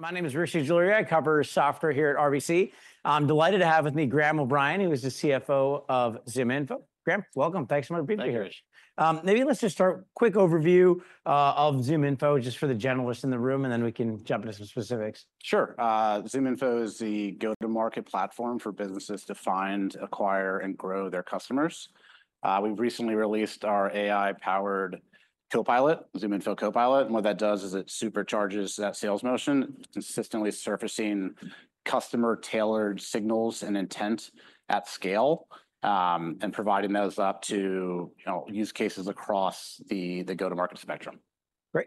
My name is Rishi Jaluri, head of Software Equity Research here at RBC. I'm delighted to have with me Graham O'Brien, who is the CFO of ZoomInfo. Graham, welcome. Thanks for being here. Thanks, Rish. Maybe let's just start a quick overview of ZoomInfo just for the generalists in the room, and then we can jump into some specifics. Sure. ZoomInfo is the go-to-market platform for businesses to find, acquire, and grow their customers. We've recently released our AI-powered Copilot, ZoomInfo Copilot. And what that does is it supercharges that sales motion, consistently surfacing customer-tailored signals and intent at scale and providing those up to use cases across the go-to-market spectrum. Great.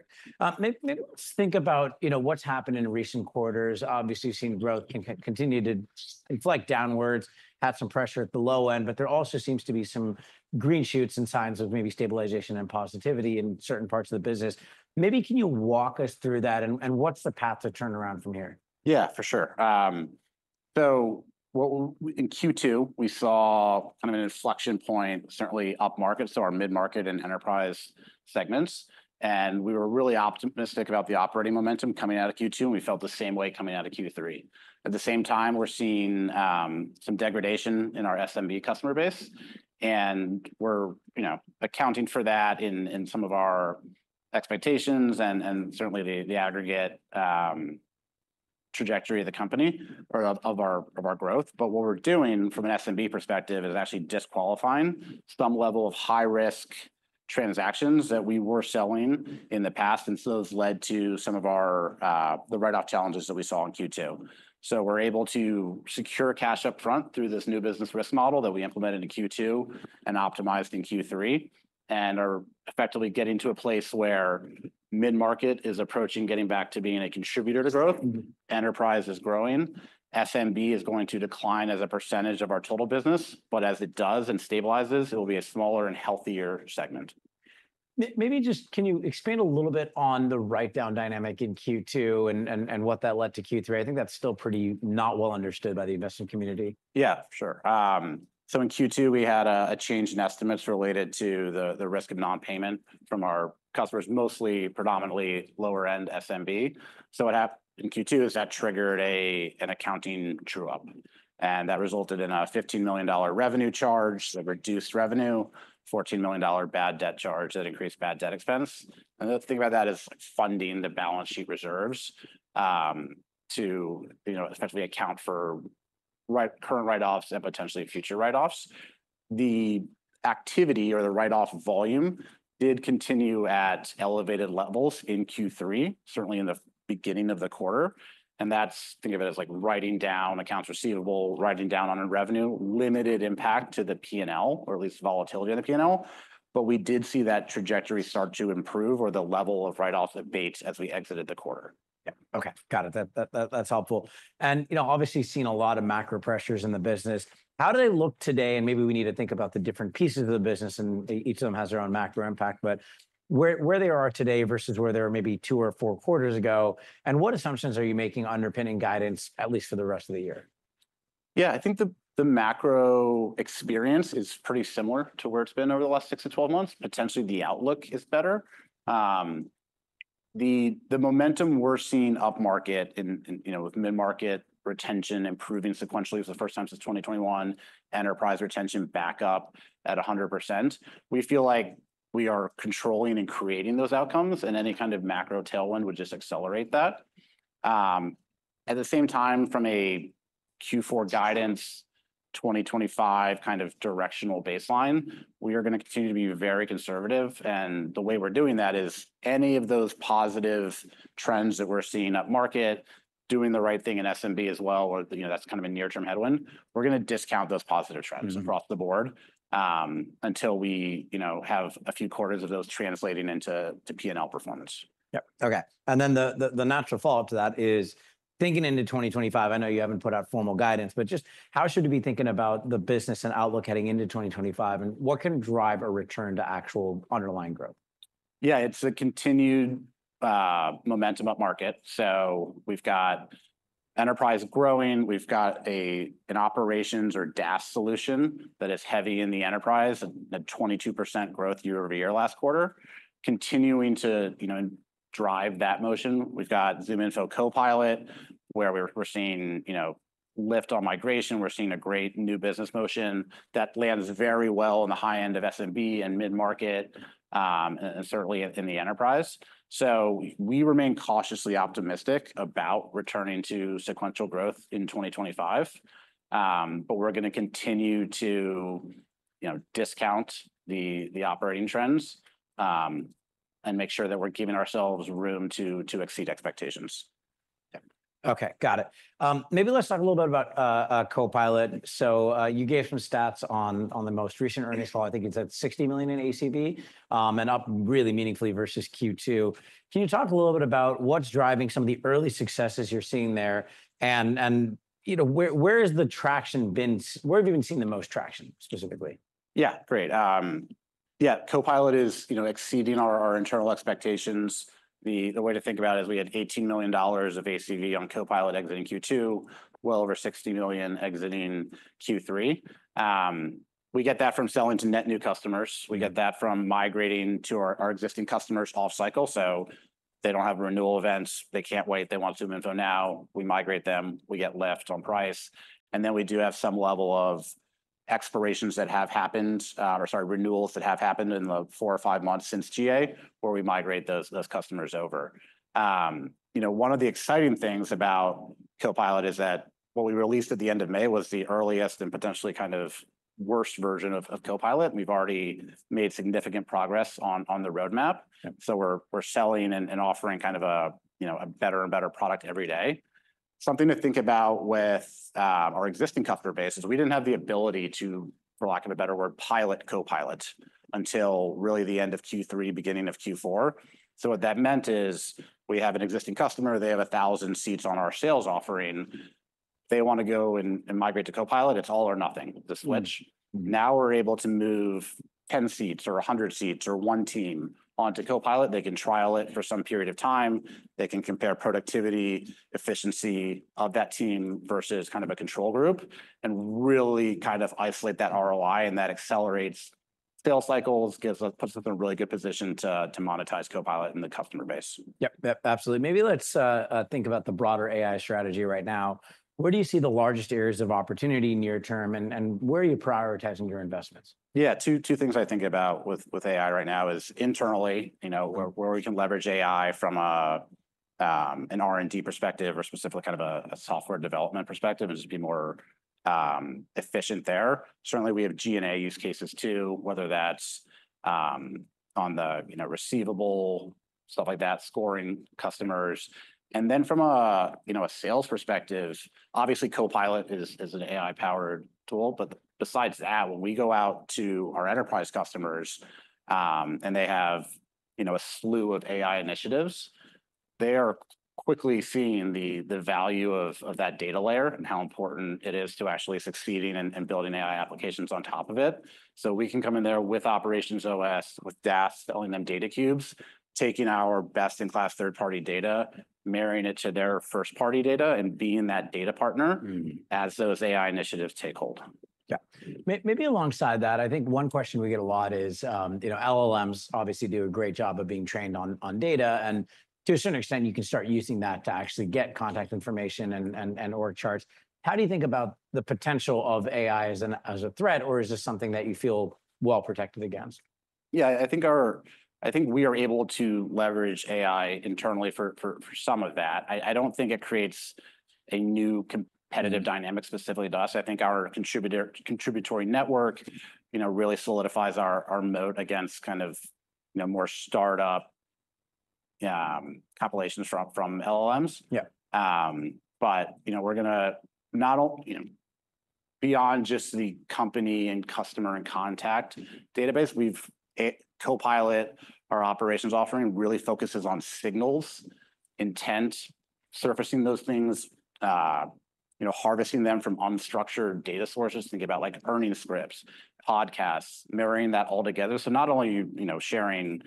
Maybe let's think about what's happened in recent quarters. Obviously, we've seen growth continue to inflate downwards, have some pressure at the low end, but there also seems to be some green shoots and signs of maybe stabilization and positivity in certain parts of the business. Maybe can you walk us through that, and what's the path to turn around from here? Yeah, for sure, so in Q2, we saw kind of an inflection point, certainly up market, so our mid-market and enterprise segments, and we were really optimistic about the operating momentum coming out of Q2, and we felt the same way coming out of Q3. At the same time, we're seeing some degradation in our SMB customer base, and we're accounting for that in some of our expectations and certainly the aggregate trajectory of the company or of our growth, but what we're doing from an SMB perspective is actually disqualifying some level of high-risk transactions that we were selling in the past, and so it's led to some of the write-off challenges that we saw in Q2. So we're able to secure cash upfront through this new business risk model that we implemented in Q2 and optimized in Q3 and are effectively getting to a place where mid-market is approaching getting back to being a contributor to growth. Enterprise is growing. SMB is going to decline as a percentage of our total business. But as it does and stabilizes, it will be a smaller and healthier segment. Maybe just can you expand a little bit on the write-down dynamic in Q2 and what that led to Q3? I think that's still pretty not well understood by the investment community. Yeah, for sure. So in Q2, we had a change in estimates related to the risk of non-payment from our customers, mostly predominantly lower-end SMB. So what happened in Q2 is that triggered an accounting true-up. And that resulted in a $15 million revenue charge, a reduced revenue, $14 million bad debt charge that increased bad debt expense. And the thing about that is funding the balance sheet reserves to effectively account for current write-offs and potentially future write-offs. The activity or the write-off volume did continue at elevated levels in Q3, certainly in the beginning of the quarter. And that's think of it as like writing down accounts receivable, writing down on revenue, limited impact to the P&L, or at least volatility on the P&L. But we did see that trajectory start to improve or the level of write-offs that abated as we exited the quarter. Yeah. Okay. Got it. That's helpful. And obviously seen a lot of macro pressures in the business. How do they look today? And maybe we need to think about the different pieces of the business, and each of them has their own macro impact, but where they are today versus where they were maybe two or four quarters ago, and what assumptions are you making underpinning guidance, at least for the rest of the year? Yeah, I think the macro experience is pretty similar to where it's been over the last six to 12 months. Potentially the outlook is better. The momentum we're seeing up market with mid-market retention improving sequentially for the first time since 2021, enterprise retention back up at 100%. We feel like we are controlling and creating those outcomes, and any kind of macro tailwind would just accelerate that. At the same time, from a Q4 guidance 2025 kind of directional baseline, we are going to continue to be very conservative, and the way we're doing that is any of those positive trends that we're seeing up market, doing the right thing in SMB as well, or that's kind of a near-term headwind, we're going to discount those positive trends across the board until we have a few quarters of those translating into P&L performance. Yep. Okay. And then the natural follow-up to that is thinking into 2025, I know you haven't put out formal guidance, but just how should we be thinking about the business and outlook heading into 2025, and what can drive a return to actual underlying growth? Yeah, it's a continued momentum up market. So we've got enterprise growing. We've got an operations or DaaS solution that is heavy in the enterprise, a 22% growth year over year last quarter, continuing to drive that motion. We've got ZoomInfo Copilot where we're seeing lift on migration. We're seeing a great new business motion that lands very well on the high end of SMB and mid-market, and certainly in the enterprise. So we remain cautiously optimistic about returning to sequential growth in 2025. But we're going to continue to discount the operating trends and make sure that we're giving ourselves room to exceed expectations. Okay. Got it. Maybe let's talk a little bit about Copilot. So you gave some stats on the most recent earnings call. I think it's at $60 million in ACV and up really meaningfully versus Q2. Can you talk a little bit about what's driving some of the early successes you're seeing there? And where has the traction been? Where have you been seeing the most traction specifically? Yeah, great. Yeah, Copilot is exceeding our internal expectations. The way to think about it is we had $18 million of ACV on Copilot exiting Q2, well over $60 million exiting Q3. We get that from selling to net new customers. We get that from migrating to our existing customers off cycle. So they don't have renewal events. They can't wait. They want ZoomInfo now. We migrate them. We get lift on price. And then we do have some level of expirations that have happened or sorry, renewals that have happened in the four or five months since GA where we migrate those customers over. One of the exciting things about Copilot is that what we released at the end of May was the earliest and potentially kind of worst version of Copilot. We've already made significant progress on the roadmap. So we're selling and offering kind of a better and better product every day. Something to think about with our existing customer base is we didn't have the ability to, for lack of a better word, pilot Copilot until really the end of Q3, beginning of Q4. So what that meant is we have an existing customer. They have 1,000 seats on our sales offering. They want to go and migrate to Copilot. It's all or nothing, the switch. Now we're able to move 10 seats or 100 seats or one team onto Copilot. They can trial it for some period of time. They can compare productivity, efficiency of that team versus kind of a control group and really kind of isolate that ROI, and that accelerates sales cycles, puts us in a really good position to monetize Copilot in the customer base. Yep. Absolutely. Maybe let's think about the broader AI strategy right now. Where do you see the largest areas of opportunity near term, and where are you prioritizing your investments? Yeah, two things I think about with AI right now is internally, where we can leverage AI from an R&D perspective or specifically kind of a software development perspective and just be more efficient there. Certainly, we have G&A use cases too, whether that's on the receivable, stuff like that, scoring customers. And then from a sales perspective, obviously Copilot is an AI-powered tool. But besides that, when we go out to our enterprise customers and they have a slew of AI initiatives, they are quickly seeing the value of that data layer and how important it is to actually succeeding and building AI applications on top of it. So we can come in there with OperationsOS, with DaaS, selling them Data Cubes, taking our best-in-class third-party data, marrying it to their first-party data and being that data partner as those AI initiatives take hold. Yeah. Maybe alongside that, I think one question we get a lot is LLMs obviously do a great job of being trained on data, and to a certain extent, you can start using that to actually get contact information and org charts. How do you think about the potential of AI as a threat, or is this something that you feel well protected against? Yeah, I think we are able to leverage AI internally for some of that. I don't think it creates a new competitive dynamic specifically to us. I think our contributory network really solidifies our moat against kind of more startup competitors from LLMs. But we're going beyond just the company and customer and contact database. Copilot, our operations offering, really focuses on signals, intent, surfacing those things, harvesting them from unstructured data sources. Think about like earnings scripts, podcasts, marrying that all together. So not only are you sharing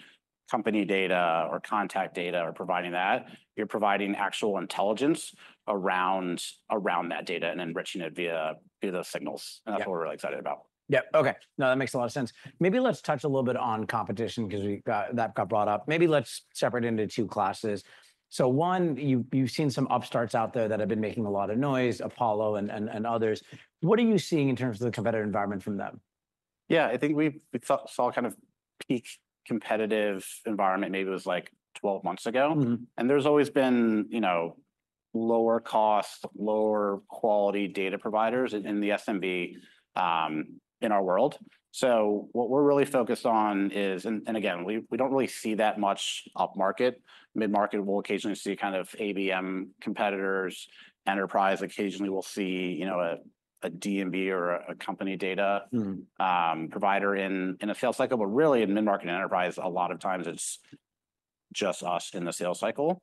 company data or contact data or providing that, you're providing actual intelligence around that data and enriching it via those signals. And that's what we're really excited about. Yep. Okay. No, that makes a lot of sense. Maybe let's touch a little bit on competition because that got brought up. Maybe let's separate into two classes. So one, you've seen some upstarts out there that have been making a lot of noise, Apollo and others. What are you seeing in terms of the competitive environment from them? Yeah, I think we saw kind of peak competitive environment maybe was like 12 months ago. And there's always been lower cost, lower quality data providers in the SMB in our world. So what we're really focused on is, and again, we don't really see that much up market. Mid-market, we'll occasionally see kind of ABM competitors. Enterprise, occasionally we'll see a D&B or a company data provider in a sales cycle. But really in mid-market and enterprise, a lot of times it's just us in the sales cycle.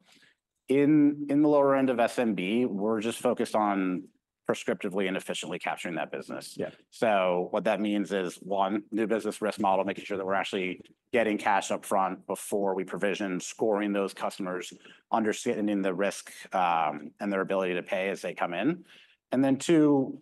In the lower end of SMB, we're just focused on prescriptively and efficiently capturing that business. So what that means is, one, new business risk model, making sure that we're actually getting cash upfront before we provision, scoring those customers, understanding the risk and their ability to pay as they come in. Then, two,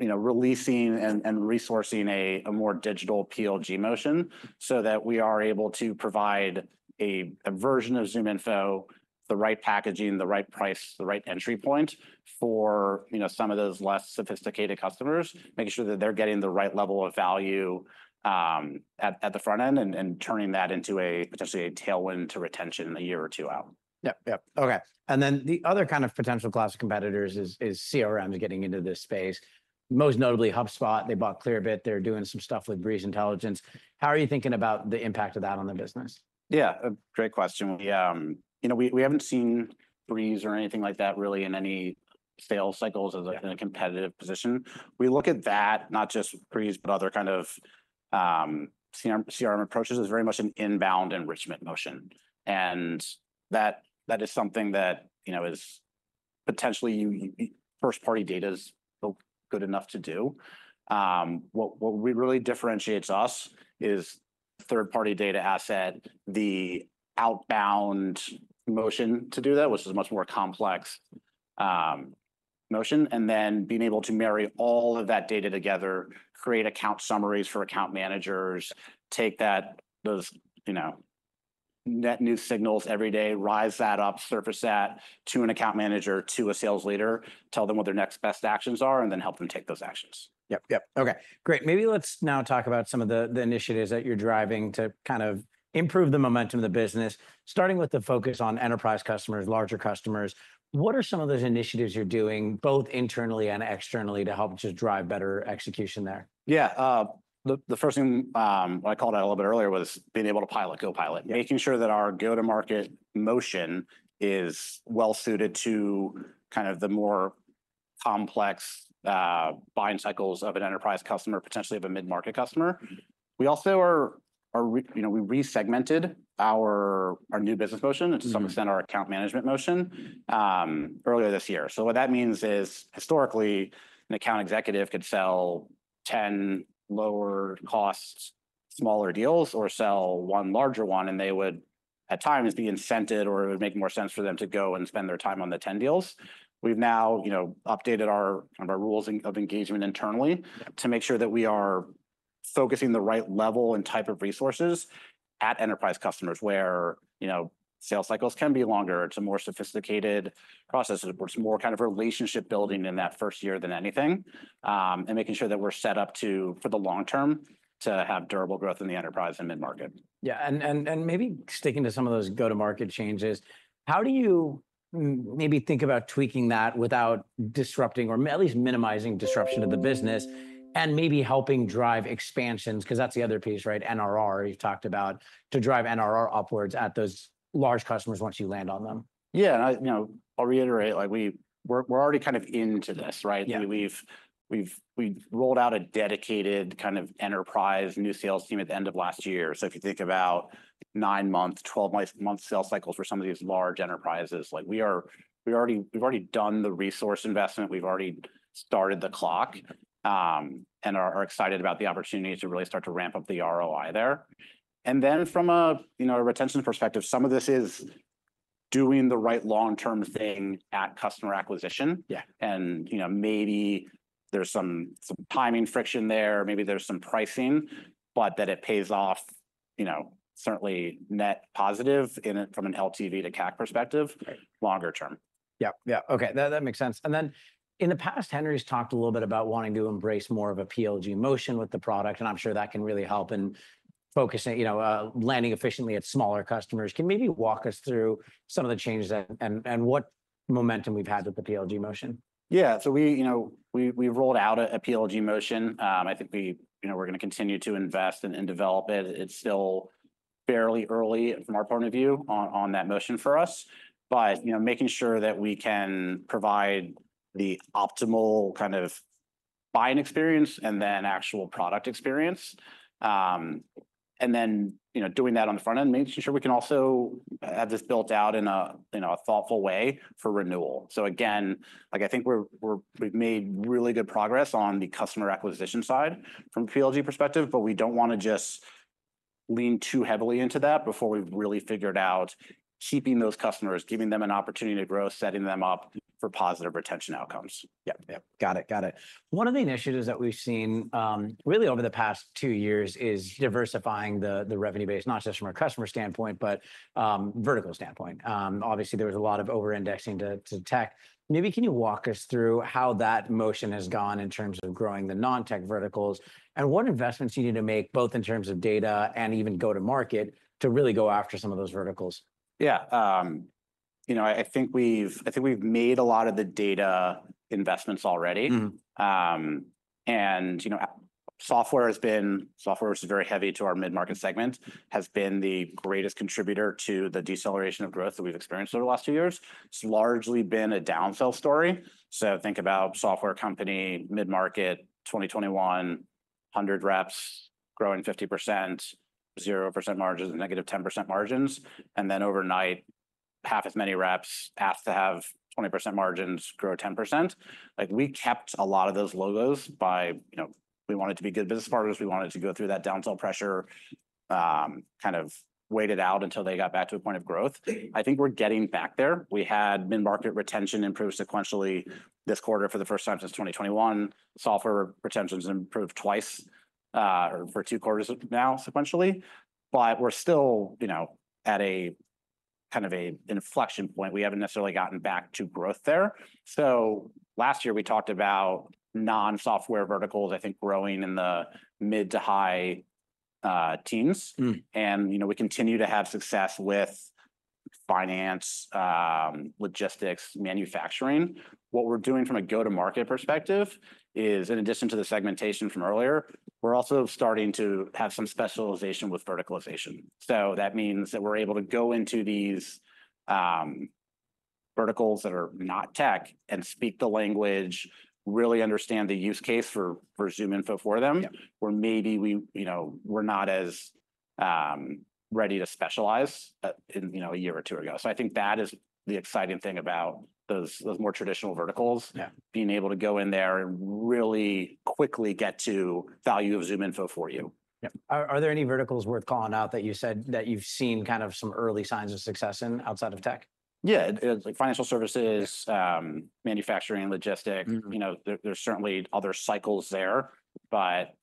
releasing and resourcing a more digital PLG motion so that we are able to provide a version of ZoomInfo, the right packaging, the right price, the right entry point for some of those less sophisticated customers, making sure that they're getting the right level of value at the front end and turning that into a potential tailwind to retention a year or two out. Yep. Yep. Okay. And then the other kind of potential class of competitors is CRMs getting into this space, most notably HubSpot. They bought Clearbit. They're doing some stuff with Breeze Intelligence. How are you thinking about the impact of that on the business? Yeah, great question. We haven't seen Breeze or anything like that really in any sales cycles as a competitive position. We look at that, not just Breeze, but other kind of CRM approaches. It's very much an inbound enrichment motion. And that is something that is potentially first-party data is good enough to do. What really differentiates us is third-party data asset, the outbound motion to do that, which is a much more complex motion. And then being able to marry all of that data together, create account summaries for account managers, take those net new signals every day, rise that up, surface that to an account manager, to a sales leader, tell them what their next best actions are, and then help them take those actions. Yep. Yep. Okay. Great. Maybe let's now talk about some of the initiatives that you're driving to kind of improve the momentum of the business, starting with the focus on enterprise customers, larger customers. What are some of those initiatives you're doing both internally and externally to help just drive better execution there? Yeah. The first thing I called out a little bit earlier was being able to pilot Copilot, making sure that our go-to-market motion is well-suited to kind of the more complex buying cycles of an enterprise customer, potentially of a mid-market customer. We also resegmented our new business motion and to some extent our account management motion earlier this year. So what that means is historically an account executive could sell 10 lower cost smaller deals or sell one larger one, and they would at times be incented or it would make more sense for them to go and spend their time on the 10 deals. We've now updated our rules of engagement internally to make sure that we are focusing the right level and type of resources at enterprise customers where sales cycles can be longer. It's a more sophisticated process. It's more kind of relationship building in that first year than anything and making sure that we're set up for the long term to have durable growth in the enterprise and mid-market. Yeah, and maybe sticking to some of those go-to-market changes, how do you maybe think about tweaking that without disrupting or at least minimizing disruption to the business and maybe helping drive expansions? Because that's the other piece, right? NRR you've talked about to drive NRR upwards at those large customers once you land on them. Yeah, and I'll reiterate, we're already kind of into this, right? We've rolled out a dedicated kind of enterprise new sales team at the end of last year. So if you think about nine-month, 12-month sales cycles for some of these large enterprises, we've already done the resource investment. We've already started the clock and are excited about the opportunity to really start to ramp up the ROI there. And then from a retention perspective, some of this is doing the right long-term thing at customer acquisition. And maybe there's some timing friction there. Maybe there's some pricing, but that it pays off certainly net positive from an LTV to CAC perspective longer term. Yep. Yep. Okay. That makes sense. And then in the past, Henry's talked a little bit about wanting to embrace more of a PLG motion with the product, and I'm sure that can really help in focusing, landing efficiently at smaller customers. Can maybe walk us through some of the changes and what momentum we've had with the PLG motion? Yeah. So we've rolled out a PLG motion. I think we're going to continue to invest and develop it. It's still fairly early from our point of view on that motion for us, but making sure that we can provide the optimal kind of buying experience and then actual product experience. And then doing that on the front end, making sure we can also have this built out in a thoughtful way for renewal. So again, I think we've made really good progress on the customer acquisition side from PLG perspective, but we don't want to just lean too heavily into that before we've really figured out keeping those customers, giving them an opportunity to grow, setting them up for positive retention outcomes. Yep. Yep. Got it. Got it. One of the initiatives that we've seen really over the past two years is diversifying the revenue base, not just from a customer standpoint, but vertical standpoint. Obviously, there was a lot of over-indexing to tech. Maybe can you walk us through how that motion has gone in terms of growing the non-tech verticals and what investments you need to make both in terms of data and even go-to-market to really go after some of those verticals? Yeah. I think we've made a lot of the data investments already. And software has been, software was very heavy to our mid-market segment, has been the greatest contributor to the deceleration of growth that we've experienced over the last two years. It's largely been a downsell story. So think about software company, mid-market, 2021, 100 reps, growing 50%, 0% margins, negative 10% margins. And then overnight, half as many reps asked to have 20% margins grow 10%. We kept a lot of those logos by we wanted to be good business partners. We wanted to go through that downsell pressure, kind of waited out until they got back to a point of growth. I think we're getting back there. We had mid-market retention improve sequentially this quarter for the first time since 2021. Software retentions improved twice or for two quarters now sequentially. But we're still at a kind of an inflection point. We haven't necessarily gotten back to growth there. So last year, we talked about non-software verticals, I think growing in the mid to high teens. And we continue to have success with finance, logistics, manufacturing. What we're doing from a go-to-market perspective is, in addition to the segmentation from earlier, we're also starting to have some specialization with verticalization. So that means that we're able to go into these verticals that are not tech and speak the language, really understand the use case for ZoomInfo for them, where maybe we're not as ready to specialize a year or two ago. So I think that is the exciting thing about those more traditional verticals, being able to go in there and really quickly get to value of ZoomInfo for you. Are there any verticals worth calling out that you said that you've seen kind of some early signs of success in outside of tech? Yeah. Financial services, manufacturing, logistics. There's certainly other cycles there, but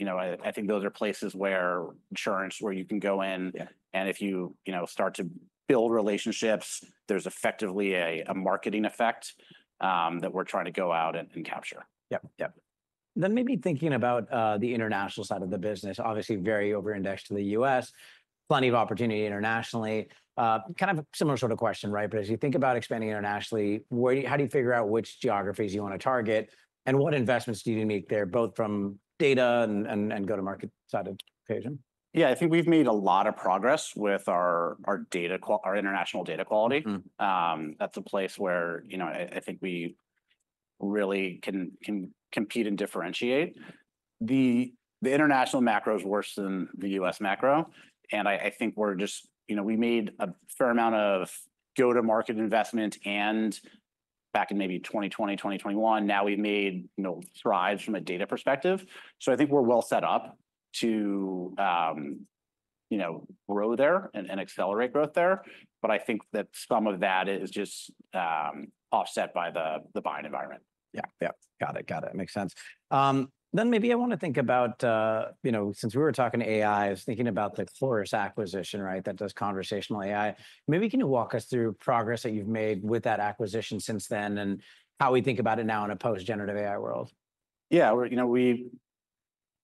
I think those are places where insurance, where you can go in, and if you start to build relationships, there's effectively a marketing effect that we're trying to go out and capture. Yep. Yep, then maybe thinking about the international side of the business, obviously very over-indexed to the U.S., plenty of opportunity internationally. Kind of a similar sort of question, right, but as you think about expanding internationally, how do you figure out which geographies you want to target and what investments do you need there, both from data and go-to-market side of the equation? Yeah. I think we've made a lot of progress with our international data quality. That's a place where I think we really can compete and differentiate. The international macro is worse than the U.S. macro. And I think we just made a fair amount of go-to-market investment back in maybe 2020, 2021. Now we've made strides from a data perspective. So I think we're well set up to grow there and accelerate growth there. But I think that some of that is just offset by the buying environment. Yeah. Yep. Got it. Got it. Makes sense. Then maybe I want to think about, since we were talking AI, I was thinking about the Chorus acquisition, right? That does conversational AI. Maybe can you walk us through progress that you've made with that acquisition since then and how we think about it now in a post-generative AI world? Yeah.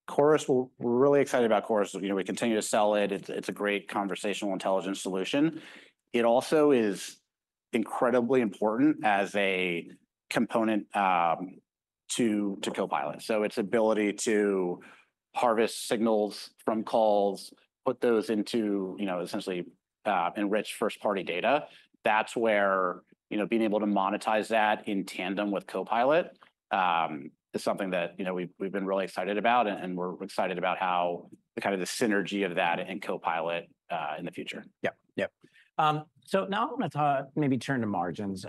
Chorus, we're really excited about Chorus. We continue to sell it. It's a great conversational intelligence solution. It also is incredibly important as a component to Copilot. So its ability to harvest signals from calls, put those into essentially enriched first-party data. That's where being able to monetize that in tandem with Copilot is something that we've been really excited about. And we're excited about how kind of the synergy of that and Copilot in the future. Yep. Yep. So now I want to maybe turn to margins.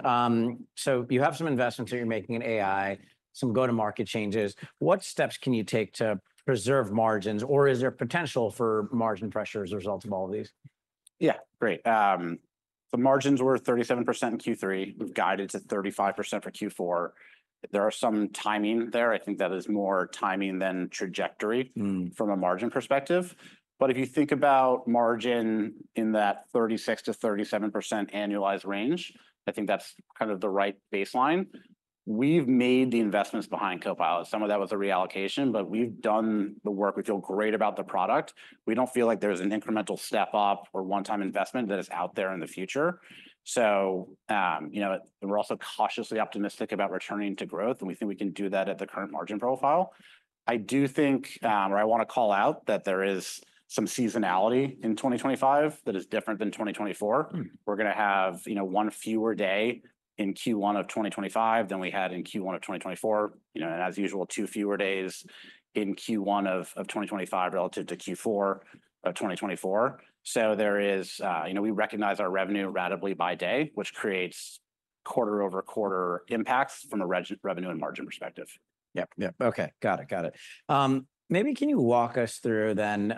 So you have some investments that you're making in AI, some go-to-market changes. What steps can you take to preserve margins, or is there potential for margin pressures as a result of all of these? Yeah. Great. The margins were 37% in Q3. We've guided to 35% for Q4. There are some timing there. I think that is more timing than trajectory from a margin perspective. But if you think about margin in that 36%-37% annualized range, I think that's kind of the right baseline. We've made the investments behind Copilot. Some of that was a reallocation, but we've done the work. We feel great about the product. We don't feel like there's an incremental step up or one-time investment that is out there in the future. So we're also cautiously optimistic about returning to growth, and we think we can do that at the current margin profile. I do think, or I want to call out, that there is some seasonality in 2025 that is different than 2024. We're going to have one fewer day in Q1 of 2025 than we had in Q1 of 2024, and as usual, two fewer days in Q1 of 2025 relative to Q4 of 2024. So we recognize our revenue ratably by day, which creates quarter-over-quarter impacts from a revenue and margin perspective. Yep. Yep. Okay. Got it. Got it. Maybe can you walk us through then,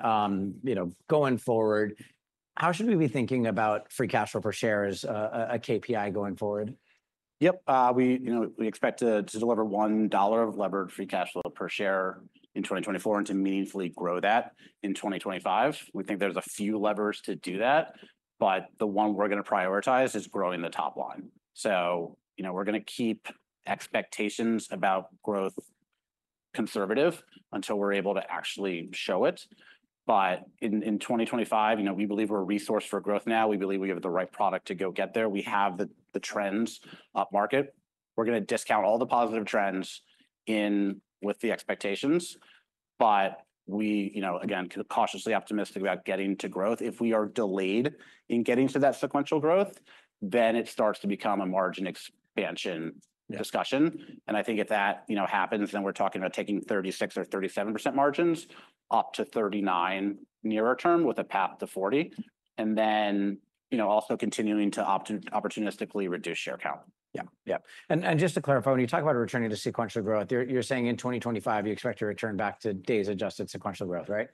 going forward, how should we be thinking about free cash flow per share as a KPI going forward? Yep. We expect to deliver $1 of levered free cash flow per share in 2024 and to meaningfully grow that in 2025. We think there's a few levers to do that, but the one we're going to prioritize is growing the top line. So we're going to keep expectations about growth conservative until we're able to actually show it. But in 2025, we believe we're a resource for growth now. We believe we have the right product to go get there. We have the trends up market. We're going to discount all the positive trends in with the expectations. But we, again, cautiously optimistic about getting to growth. If we are delayed in getting to that sequential growth, then it starts to become a margin expansion discussion. I think if that happens, then we're talking about taking 36% or 37% margins up to 39% nearer term with a path to 40%, and then also continuing to opportunistically reduce share count. Yep. Yep. And just to clarify, when you talk about returning to sequential growth, you're saying in 2025, you expect to return back to days adjusted sequential growth, right?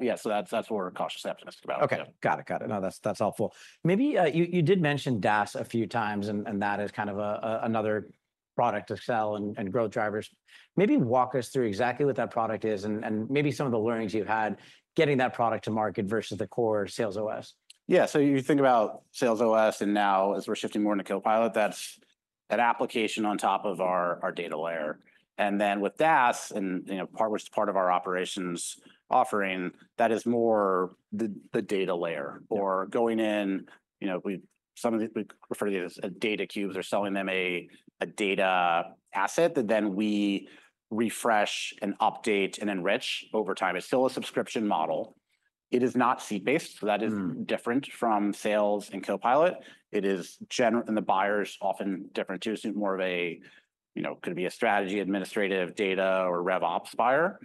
Yeah, so that's what we're cautiously optimistic about. Okay. Got it. Got it. No, that's helpful. Maybe you did mention DaaS a few times, and that is kind of another product to sell and growth drivers. Maybe walk us through exactly what that product is and maybe some of the learnings you've had getting that product to market versus the core SalesOS. Yeah, so you think about SalesOS, and now as we're shifting more into Copilot, that's an application on top of our data layer. And then with DaaS, and part of our operations offering, that is more the data layer or going in. We refer to these as Data Cubes or selling them a data asset that then we refresh and update and enrich over time. It's still a subscription model. It is not seat-based, so that is different from sales and Copilot. It is, and the buyer's often different too. It's more of a, could be a strategy, administrative data or RevOps buyer.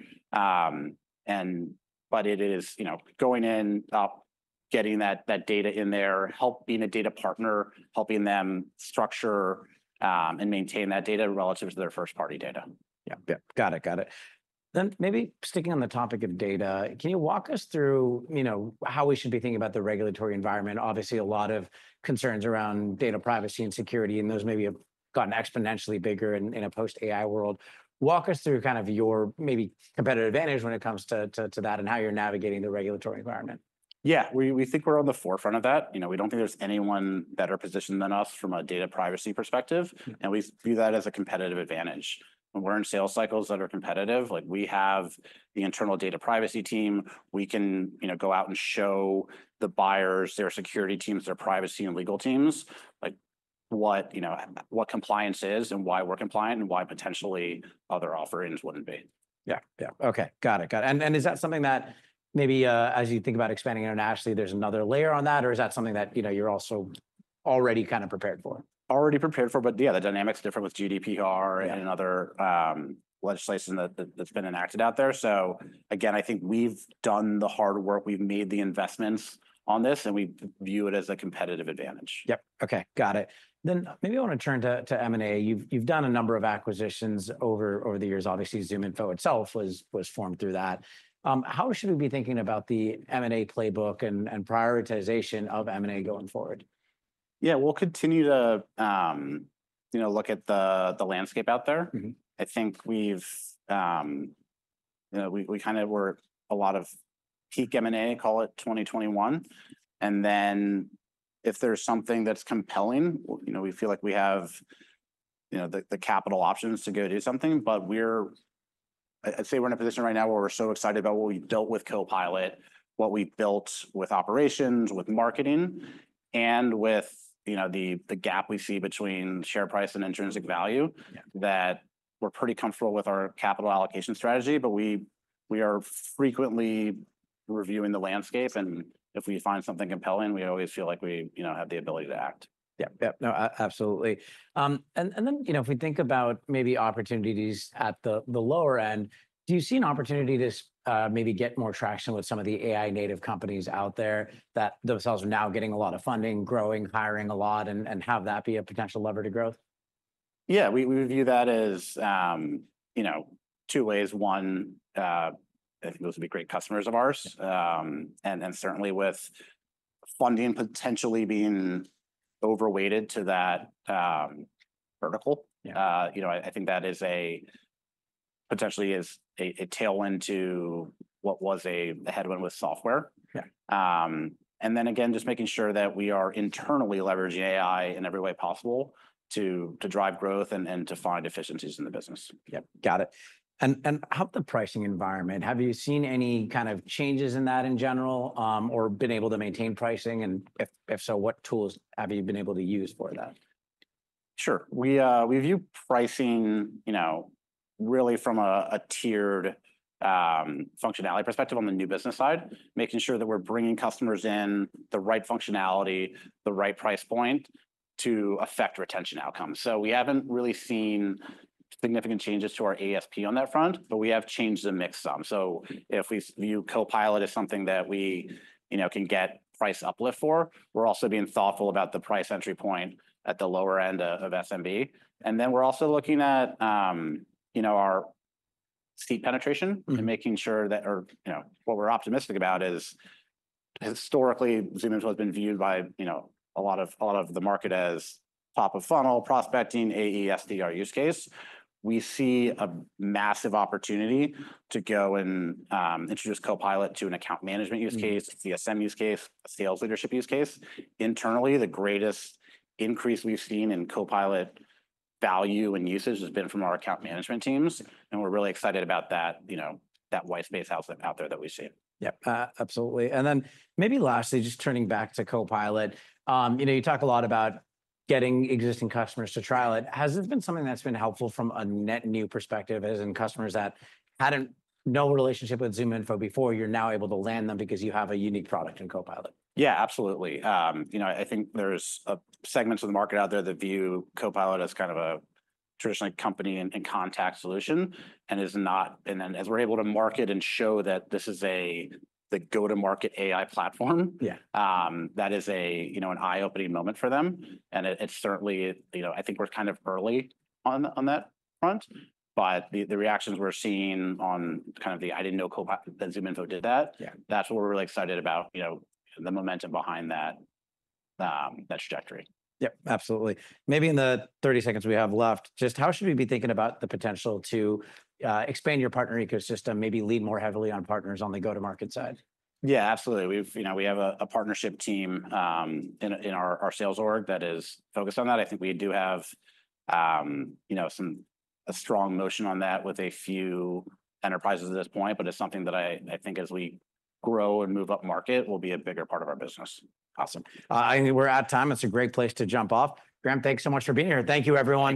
But it is going in, up, getting that data in there, being a data partner, helping them structure and maintain that data relative to their first-party data. Yep. Got it. Then maybe sticking on the topic of data, can you walk us through how we should be thinking about the regulatory environment? Obviously, a lot of concerns around data privacy and security, and those maybe have gotten exponentially bigger in a post-AI world. Walk us through kind of your maybe competitive advantage when it comes to that and how you're navigating the regulatory environment. Yeah. We think we're on the forefront of that. We don't think there's anyone better positioned than us from a data privacy perspective, and we view that as a competitive advantage. When we're in sales cycles that are competitive, we have the internal data privacy team. We can go out and show the buyers, their security teams, their privacy and legal teams, what compliance is and why we're compliant and why potentially other offerings wouldn't be. Yeah. Okay. Got it. And is that something that maybe as you think about expanding internationally, there's another layer on that, or is that something that you're also already kind of prepared for? Already prepared for, but yeah, the dynamics are different with GDPR and other legislation that's been enacted out there. So again, I think we've done the hard work. We've made the investments on this, and we view it as a competitive advantage. Yep. Okay. Got it. Then maybe I want to turn to M&A. You've done a number of acquisitions over the years. Obviously, ZoomInfo itself was formed through that. How should we be thinking about the M&A playbook and prioritization of M&A going forward? Yeah. We'll continue to look at the landscape out there. I think we kind of were a lot of peak M&A, call it 2021. Then if there's something that's compelling, we feel like we have the capital options to go do something. But I'd say we're in a position right now where we're so excited about what we built with Copilot, what we built with operations, with marketing, and with the gap we see between share price and intrinsic value that we're pretty comfortable with our capital allocation strategy, but we are frequently reviewing the landscape. If we find something compelling, we always feel like we have the ability to act. Yep. Yep. No, absolutely. And then if we think about maybe opportunities at the lower end, do you see an opportunity to maybe get more traction with some of the AI-native companies out there that themselves are now getting a lot of funding, growing, hiring a lot, and have that be a potential lever to growth? Yeah. We view that as two ways. One, I think those would be great customers of ours. And certainly with funding potentially being overweighted to that vertical, I think that potentially is a tailwind to what was a headwind with software. And then again, just making sure that we are internally leveraging AI in every way possible to drive growth and to find efficiencies in the business. Yep. Got it. And how about the pricing environment? Have you seen any kind of changes in that in general or been able to maintain pricing? And if so, what tools have you been able to use for that? Sure. We view pricing really from a tiered functionality perspective on the new business side, making sure that we're bringing customers in the right functionality, the right price point to affect retention outcomes. So we haven't really seen significant changes to our ASP on that front, but we have changed the mix some. So if we view Copilot as something that we can get price uplift for, we're also being thoughtful about the price entry point at the lower end of SMB. And then we're also looking at our seat penetration and making sure that what we're optimistic about is historically ZoomInfo has been viewed by a lot of the market as top of funnel prospecting, AE, SDR use case. We see a massive opportunity to go and introduce Copilot to an account management use case, a CSM use case, a sales leadership use case. Internally, the greatest increase we've seen in Copilot value and usage has been from our account management teams, and we're really excited about that white space out there that we see. Yep. Absolutely. And then maybe lastly, just turning back to Copilot, you talk a lot about getting existing customers to trial it. Has this been something that's been helpful from a net new perspective as in customers that had no relationship with ZoomInfo before, you're now able to land them because you have a unique product in Copilot? Yeah, absolutely. I think there's segments of the market out there that view Copilot as kind of a traditional company and contact solution and is not. And then as we're able to market and show that this is the go-to-market AI platform, that is an eye-opening moment for them. And certainly, I think we're kind of early on that front. But the reactions we're seeing on kind of the, "I didn't know ZoomInfo did that," that's what we're really excited about, the momentum behind that trajectory. Yep. Absolutely. Maybe in the 30 seconds we have left, just how should we be thinking about the potential to expand your partner ecosystem, maybe lead more heavily on partners on the go-to-market side? Yeah, absolutely. We have a partnership team in our sales org that is focused on that. I think we do have a strong motion on that with a few enterprises at this point, but it's something that I think as we grow and move up market will be a bigger part of our business. Awesome. I think we're out of time. It's a great place to jump off. Graham, thanks so much for being here. Thank you, everyone.